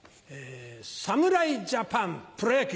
侍ジャパンプロ野球！